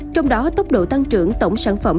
trong đó tốc độ tăng trưởng tổng sản phẩm